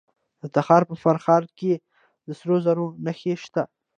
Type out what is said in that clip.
د تخار په فرخار کې د سرو زرو نښې شته.